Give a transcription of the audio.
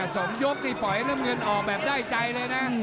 สองยกนี่ปล่อยน้ำเงินออกแบบได้ใจเลยนะ